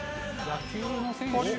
野球の選手？